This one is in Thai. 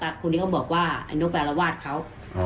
คุณนี่เขาบอกว่านกแปรลวาดเขา